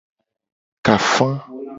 Ka afa.